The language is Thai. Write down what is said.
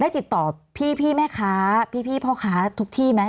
ติดต่อพี่แม่ค้าพี่พ่อค้าทุกที่ไหม